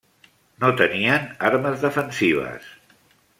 No tenien armes defensives.